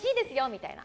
みたいな。